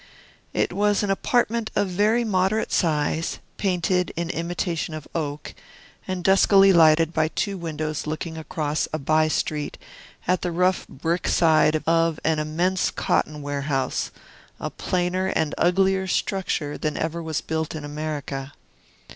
It was an apartment of very moderate size, painted in imitation of oak, and duskily lighted by two windows looking across a by street at the rough brick side of an immense cotton warehouse, a plainer and uglier structure than ever was built in America.